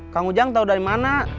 kang ujang tahu dari mana